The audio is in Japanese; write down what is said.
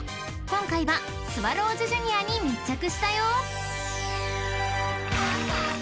［今回はスワローズジュニアに密着したよ］